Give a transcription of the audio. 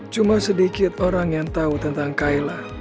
cuma sedikit orang yang tahu tentang kaila